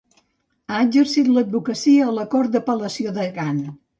Ha exercit l'advocacia a la Cort d'Apel·lació de Gant.